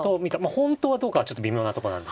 本当はどうかはちょっと微妙なとこなんですけど。